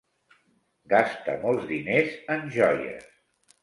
Gasta molts diners en joies.